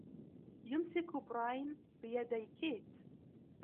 يمسك براين بِيَدَيْ كيت.